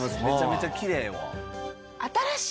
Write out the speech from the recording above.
めちゃめちゃきれいやわ。